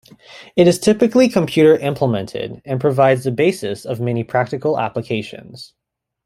It is typically computer-implemented, and provides the basis of many practical applications.